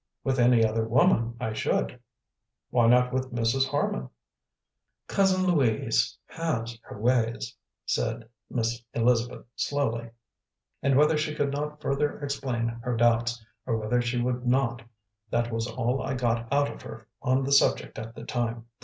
"With any other woman I should." "Why not with Mrs. Harman?" "Cousin Louise has her ways," said Miss Elizabeth slowly, and, whether she could not further explain her doubts, or whether she would not, that was all I got out of her on the subject at the time.